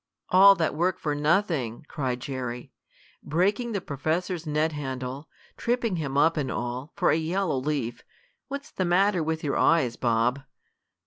"All that work for nothing!" cried Jerry. "Breaking the professor's net handle, tripping him up and all, for a yellow leaf. What's the matter with your eyes, Bob?"